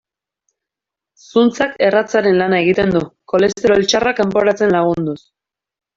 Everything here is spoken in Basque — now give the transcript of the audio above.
Zuntzak erratzaren lana egiten du, kolesterol txarra kanporatzen lagunduz.